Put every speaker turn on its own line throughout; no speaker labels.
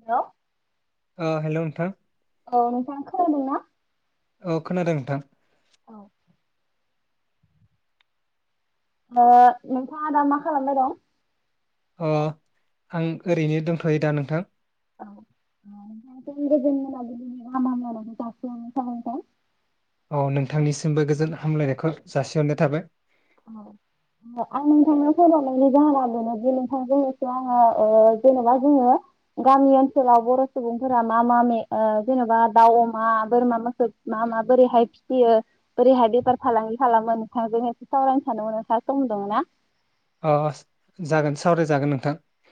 Hello
ओ हेल नोंथां ।
औ नोंथाङा खोनादों ना?
औ खोनादों नोंथां ।
औ । ओ नोंथाङा दा मा खालामबाय दं?
अ आं ओरैनो दोंथयो दा नोंथां ।
[unintelligible]
औ नोंथांनिसिमबो गोजोन हामलायनायखौ जासिहरनाय थाबाय ।
आं नोंथांनो फन हरनायनि जाहोना बेनोदि नोंथांजों आङो ओ जेनेबा जोङो गामि ओनसोलाव बर सुबुंफोरा मा मा मे ओ जेनेबा दाउ अमा बोरमा मोसौ मा मा बोरैहाय फिसियो बोरैहाय बेफार फालांगि खालामो नोंथांजों एसे सावरायनो सानदोंमोन नोंथाङा सम दोङोना?
अ जागोन सावरायजागोन नोंथां ।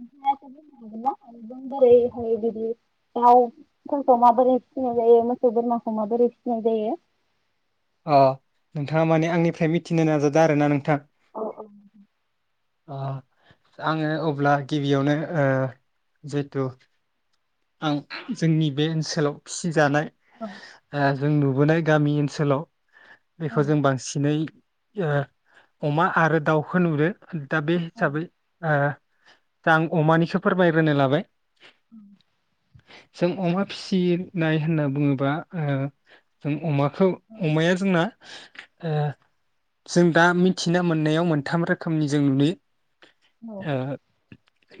नोंथाङा एसे बुंनो हागोन ना जों बोरैहाय बिदि दाउफोरखौ माबोरै फिसिनाय जायो मोसौ बोरमाखौ माबोरै फिसिनाय जायो ।
अ नोंथाङा माने आंनिफ्राय मिथिनो नाजादों आरो ना नोंथा?
अ औ ।
अ आङो अब्ला गिबियावनो ओ जिहेथु आं जोंनि बे ओनसोलाव फिसिजानाय ओ जों नुबोनाय गामि ओनसोलाव बेखौ जों बांसिनै ओ अमा आरो दाउखौ नुदो दा बे हिसाबै ओ दा आं अमानिसो फोरमायग्रोनो लाबाय
ओम
जों अमा फिसिनाय होनना बुङोबा ओ जों अमाखौ अमाया जोंना ओ जों दा मिथिना मोननायाव मोनथाम रोखोमनि जों नुयो
औ
ओ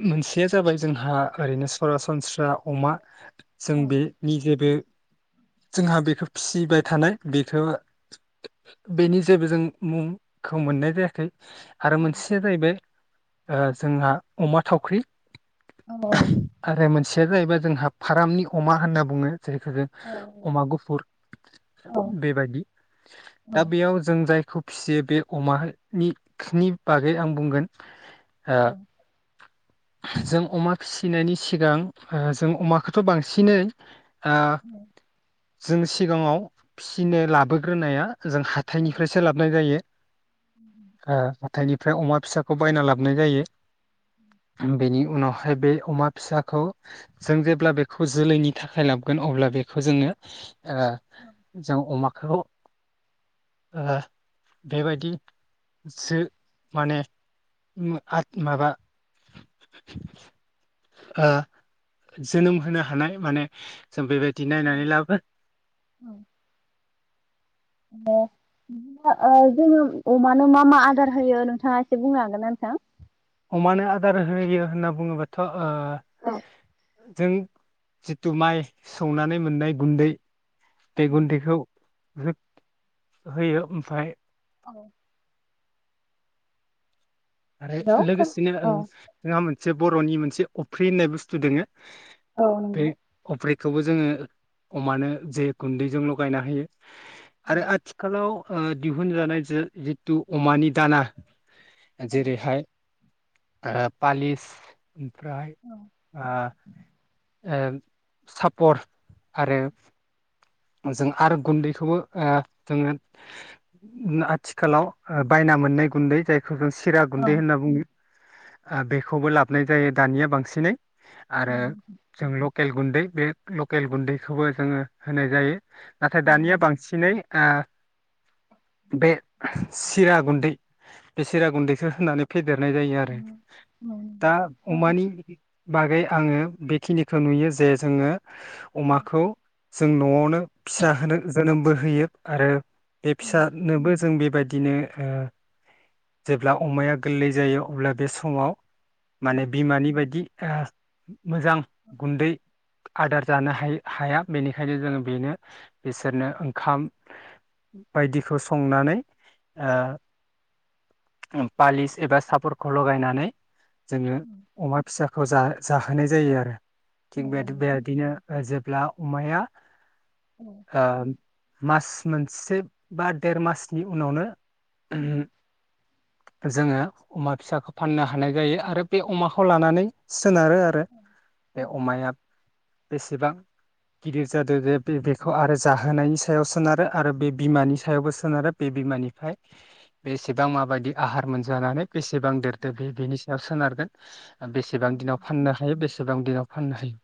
मोनसेया जाबाय जोंहा ओरैनो सरासनस्रा अमा जों बेनि जेबो जोंहा बेखौ फिसिबाय थानाय बेखौ बेनि जेबो जों मुंखौ मोननाय जायाखै आरो मोनसेया जाहैबाय ओ जोंहा अमा थावख्रि आरो मोन सेया जाहैबाय जोंहा फारामनि अमा होनना बुङो जेरैखो अमा गुफुर बेबायदि दा बेयाव जों जायखौ फिसियो बे अमानिनि बागै आं बुंगोन ओ जों अमा फिसिनायनि सिगां ओ जों अमाखौथ' बांसिनै ओ जों सिगाङाव फिसिनो लाबोग्रोनाया जों हाथायनिफ्रायसो लाबाय जायो ओ हााथायनिफ्राय अमा फिसाखौ बायना लाबोनाय जायो बेनि उनावहाय बे अमा फिसाखौ जों जेब्ला बेखौ जोलैनि थाखाय लाबोगोन अब्ला बेखौ जोङो ओ अमाखौ ओ बेबायदि जो माने माबा ओ जोनोम होनो हानाय माने जों बेबायदि नायनानै लाबो
बिदिनो जोङो अमानो मा मा आदार होयो नोंथाङा एसे बुंनो हागोन ना नोंथां
अमानो आदार होयो होनना बुङोबाथ' ओ
औ
जों जितु माइ सौनानै मोननाय गुन्दै बे गुन्दैखौ हो-होयो ओमफाय
औ
आरो
औ औ
लोगोसेनो ओ [unintelligible] जे बर'नि मोनसे अफ्रि होननाय बुस्थु दोङो
औ नोंथा
बेखौबो जोङो अमानो जे गुन्दैजों लगायना होयो आरो आथिखालाव ओ दिहुनजानाय जितु अमानि दाना जेरैहाय ओ पालिस ओमफ्राय ओ ओ सापर आरो जों आरो गुन्दैखौबो ओ जोङो आथिखालाव ओ बायना मोननाय गुन्दै जाय खौ जों सिरा
औ
गुन्दै होनना बुङो ओ बेखौबो लाबोनाय जायो दानिया बांसिनै आरो जों लक केल गुन्दै बे लकेल गुन्दैखौबो जोङो होनाय जायो नाथाय दानिया बांसिनै ओ बे सिरा गुन्दै बे सिरा गुन्दैखो होनानै फेद देरनाय जायो आरो दा अमानि बागै आङो बेखिनिखौ नुयो जे जोङो अमाखौ जों न'आवनो फिसा होनो जोनोमबो होयो आरो बे फिसानोबो जों बे बायदिनो ओ जेब्ला अमाया गोललै जायो अब्ला बे समाव माने बिमानि बायदि ओ मोजां गुन्दै आदार जानो हाय हाया बेनि खायनो जोङो बेनो बिसोरनो ओंखाम बायदिखौ संनानै ओ पालिस एबा सापरखौ लगायनानै जोङो अमा फिसाखौ जा जाहोनाय जायो आरो। थिग बेद बेबादिनो ओ जेब्ला अमाया होम मास मोनसे बा देर मासनि उनावनो
ओम
जोङो अमा फिसाखौ फाननो हानाय जायो आरो बे अमाखौ लानानै सोनारो आरो बे अमाया बेसेबां गिदिर जादों बे-बे-बेखौ आरो जाहोनायनि सायाव सोनारो आरो बे बिमानि सायावबो सोनारो बे बिमानिफाय बेसेबां माबायदि आहार मोनजानानै बेस सेबां देरदो बे बेनि सायाव सोनारगोन। बेसेबां दिनाव फाननो हायो बेसे सेबां दिनाव फाननो हायो।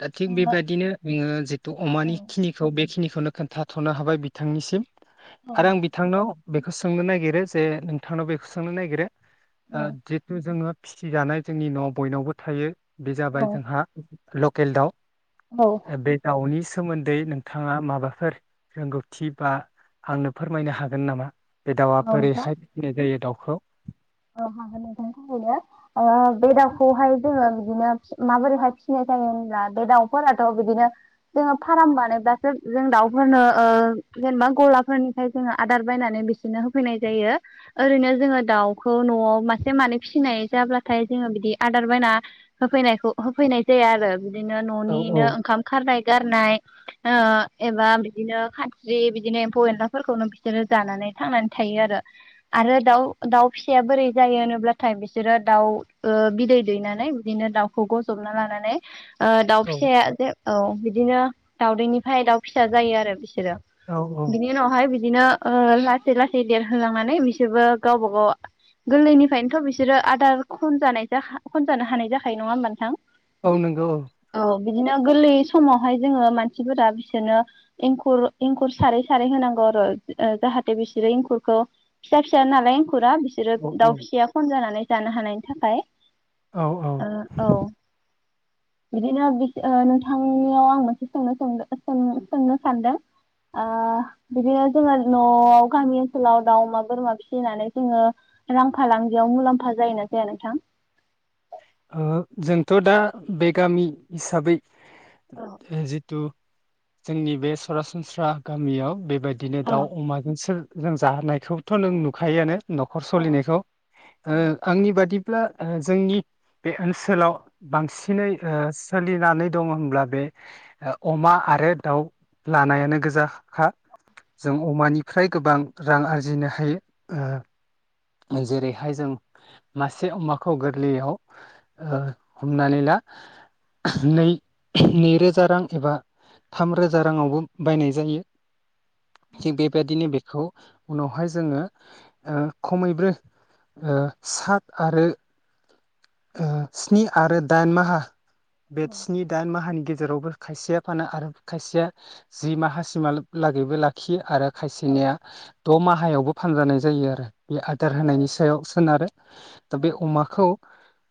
दा थिग बेबायदिनो जोङो जितु अमानि खिनिखौ बेखिनि बेखौनो खोन्थाथ'नो हाबाय बिथांनिसिम। आरो आं बिथांनाव बेखौ सोंनो नागिरो जे नोंथांनाव बेखौ सोंनो नागिरो ओ जितु जोङो फिसिजानाय जोंनि न'आव बयनावबो थायो बे जाबाय
औ
जोंहा लकेल दाउ।
औ
बे दाउनि सोमोन्दै नोंथाङा माबाफोर रोंगौथि बा आंनो फोरमायनो हागोन नामा? बे दाउआ
औ
बोरैहाय फिसिनाय जायो दाउ खौ
होनायनि थाखायनो बे दाउखौहाय जोङो बिदिनो माबोरैहाय फिसिनाय जायो होनब्ला बे दाउफोराथ' बिदिनो जोङो फार्म बानायब्लासो जों दाउफोरनो ओ जेनेबा गलाफोरनिफ्राय जोङो आदार बायनानै बिसोरनो होफैनाय जायो ओरैनो जोङो दाउ खौ न'आव मासे मानै फिसिनाय जाब्लाथाय जोङो बिदि आदार बायना होफैनायखौ होफैनाय जाया आरो। बिदिनो
औ
न'निनो ओंखाम खारनाय गारनाय ओ एबा बिदिनो खानस्रि बिदिनो एम्फौ एनलाफोरखौनो बिसोरो जानानै थांनानै थायो आरो आरो दाउ दाउ फिसाया बोरै जायो होनोब्लाथाय बिसोरो दाउ ओ बिदै दैनानै बिदिनो दाउखौ गजबना लानानै ओ दाउ
औ
फिसाया जे औ बिदिनो दाउदैनिफ्राय दाउ फिसा जायो आरो बिस बिसोरो
औ औ
बिनि उनावहाय बिदिनो ओ लासै लासै देरहोलांनानै बिसोरबो गावबा गाव गोरलैनिफ्रायनोथ' बिसोरो आदार खनजानाय खनजानो हानाय जाखायो नङा होमबा नोंथां
औ नंगौ औ
बिदिनो गोरलै समावहाय जोङो मानसिफोरा बिसोरनो एंखुर एंखुर सारै सारै होनांगौ आरो जाहाथे बिसोरो एंखुरखौ फिसा फिसा नालाय एंखुरा बिरो
औ
दाउ
औ
फिसिया खन जानानै जानो हानायनि थाखाय
औ औ
ओ औ बिदिनो नोंथांनियाव आं मोनसे सोंनो सोंदों सोंनो सानदों बिदिनो जोङो न'आव गामि ओनसोलाव दाउ अमा बोरमा फिसिनानै जोङो रां फाालांगियाव मुलाम्फा जायोना जाया नोंथां
ओ जोंथ' दा बे गामि हिसाबै
औ
हे जिथु जोंनि बे सरासनस्रा गामियाव बे बेबायदिनो
औ
दाउ अमाजोंसो जों जाहोनायखौथ' नों नुखायोआनो न'खर
औ
सलिनायखौ आंनि बादि ब्ला जोंनि बे ओनसोलाव बांसिनै ओ सोलिनानै दङ होनब्ला बे अमा आरो दाउ लानायानो गोजाखा जों अमानिफ्राय गोबां रां आरजिनो हायो ओ जेरैहाय जों मासे अमाखौ गोरलैयाव हमनानै ला नै नैरोजा रां एबा थामरोजा राङावबो बायनाय जायो थिग बेबायदिनो बेखौ उनावहाय जोङो ओ खमैब्रो सात आरो ओ स्नि आरो दाइन माहा बे स्नि दाइन माहानि गेजेरावबो खायसेया फानो आरो खायसेया जि माहासिमहालागैबो लाखियो आरो खायसेनिया द' माह माहायावबो फानजानाय जायो आरो बे आदार होनायनि सायाव सोनारो दा बे अमाखौ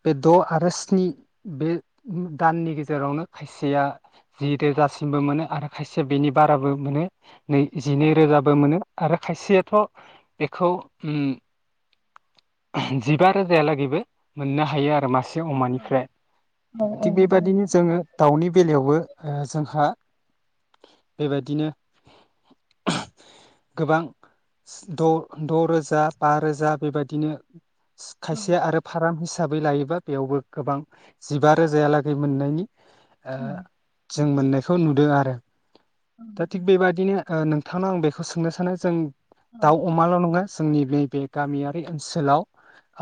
बे द' आरो स्नि बे दाननि गेजेरावनो खायसेया जि रोजासिमबो मोनो आरो खायसेया बेनि बाराबो मोनो नै जिनै रोजाबो मोनो आरो खायसेयाथ' बेखौ ओम जिबा रोजायालागैबो मोननो हायो आरो मासे अमानिफ्राय
औ
थिग बेबादिनो जोङो दाउनि बेलायावबो ओ‌ जोंहा बेबायदिनो गोबां द द रोजा रोजा बा रोजा बेबायदिनो खायसेया आरो फारामस हिसाबै लायोबा बेयावबो गोबां जिबा रोजायालागै मोननायनि ओ जों मोननायखौ नुदों आरो दा थिग बेबायाददिनो नों नोंथांनाव आं बेखौ सोंनो सानो जों दाव अमाल नंङा जोंनि नैबे गामियारि ओनसोलाव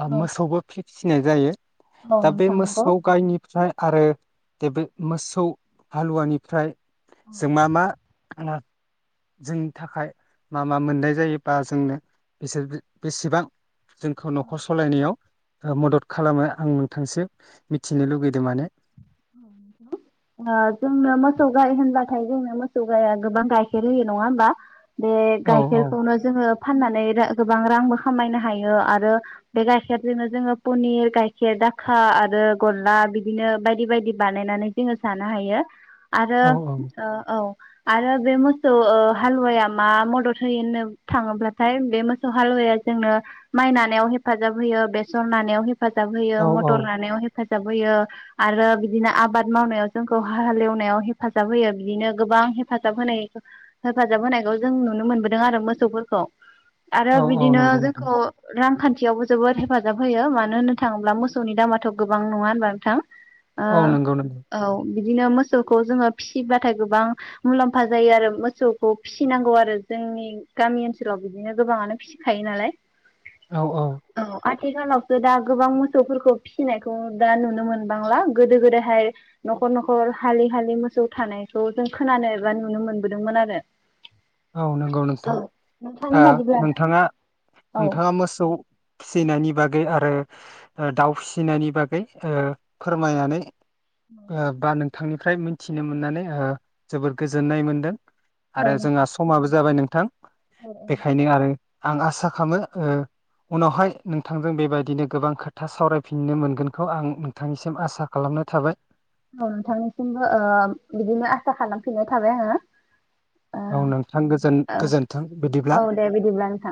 ओ
औ
मोसौबो फि-फिसिनाय जायो
औ
दा बे
नोंथां नंगौ
मोसौ गायनिफ्राय आरो बे बे मोसौ हालुवानिफ्राय जों मा मा जोंनि थाखाय मा मा मोननाय जायोबा जोंनो बिसोर बेसेबां जोंखौ न'खर सालायनायाव ओ मदद खालामो आं नोंथांसो मिथिनो लुगैदों माने
ओ जोंनो मोसौ गाइ होनबाथाय जोंनो मोसौ गाइआ गोबां गाइखेर होयो नङा होमबा बे
औ
गाइखेरखौनो जोङो फाननानै रा गोबां रांबो खामायनो हायो आरो बे गाइखेरजोंनो जोङो पनिर गाइखेर दाखा आरो गल्ला बिदिनो बायदि बायदि बिदि बानायनानै जोङो जानो हायो आरो
औ
ओ औ आरो बे मोसौ ओ हालुवाया मा मदद होयो होननो थाङोब्लाथाय बे मोसौ हालुवाया जोंनो माइ नानायाव हेफाजाब होयो बेसर नानायाव हेफ हेफाजाब होयो
औ औ
मटर नानायाव हेफ हेफाजाब होयो आरो बिदिनो आबाद मावनायाव जोंखौ हालेवनायाव हेफाजाब होयो बिदिनो गोबां हेफाजाब होनाय हेफाजाब होनायखौ जों नुनो मोनबोदों आरो मोसौफोरखौ आरो
औ औ
बिदिनो
नंगौ नोंथां
जोंखौ रांखान न्थियावबो जोबोद हेफाजाब होयो मानो होननो थाङोब्ला मोसौनि दामाथ गोबां नङा होनबा नोंथां ओ
औ नंगौ नंगौ
औ बिदिनो मोसौखौ जोङो फिसिबाथाय गोबां मुलाम्फा जायो आरो मोसौखौ फिसिनांगौ आरो जोंनि गामि ओनसोलाव बिदिनो गोबाङानो फिसिखायो नालाय
औ औ
आथिखालावसो दा गोबां मोसौफोरखौ फिसिनायखौ दा नुनो मोनबांलां गोदो गोदायहाय नखर नखर हालि हालि मोसौ थानायखौ जों खोनानो एबा नुनो मोनबोदोंमोन आरो
औ नंगौ नोंथां
औ नोंथांनि
ओ
बादिब्ला
नोंथाङा
औ
नोंथाङा मोसौ फिसिनायनि बागै आरो ओ दाउ फिसिनायनि बागै ओ फोरमायनानै ओ बा नों थांनिफ्राय मोनथिनो मोननानै ओ जोबद गोजोननाय मोनदों
औ
आरो जोंहा
नोंथां
समाबो जाबाय नोंथां बेखायनो आरो आं आसा खामो ऐ उनावहाय नोंथांजों बेबायदिनो गोबां खोथा सावरायफिननो मोनगोनखौ आं नोंथांनिसिम आसा खालामना थाबाय।
औ नोंथांनिसिमबो ओ बिदिनो आसा खालामफिननाय थाबाय आङो।
औ नोंथां
ओ
गोजोन-गोजोन्थों बिदिब्ला।
औ दे बिदिब्ला नोंथां